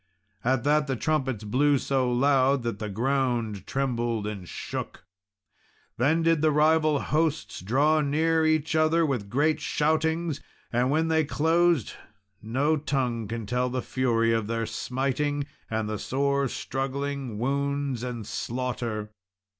At that, the trumpets blew so loud, that the ground trembled and shook. Then did the rival hosts draw near each other with great shoutings; and when they closed, no tongue can tell the fury of their smiting, and the sore struggling, wounds, and slaughter.